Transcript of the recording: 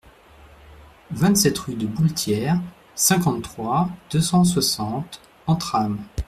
vingt-sept rue de Bouletière, cinquante-trois, deux cent soixante, Entrammes